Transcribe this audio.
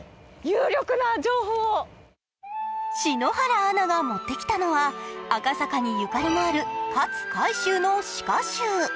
篠原アナが持ってきたのは赤坂にゆかりのある勝海舟の詩歌集。